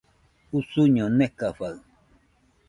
Usuño nekafaɨ